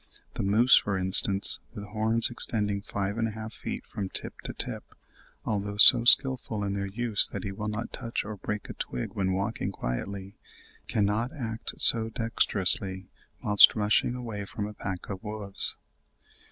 The moose, for instance, with horns extending five and a half feet from tip to tip, although so skilful in their use that he will not touch or break a twig when walking quietly, cannot act so dexterously whilst rushing away from a pack of wolves.